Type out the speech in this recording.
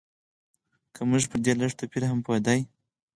که موږ پر دې لږ توپیر هم پوهېدای.